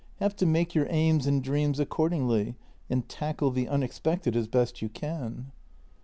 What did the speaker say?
Have to make your aims and dreams accordingly, and tackle the unexpected as best you can."